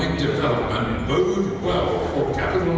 menyebabkan perkembangan pasar kapital